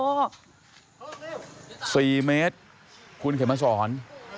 โอ้โหสี่เมตรคุณเข็มมาสอน